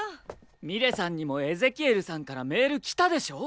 ミレさんにもエゼキエルさんからメール来たでしょ